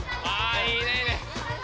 あいいね！